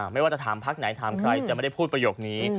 ไม่ว่าจะถามพักไหนถามใครจะไม่ได้พูดประโยคนี้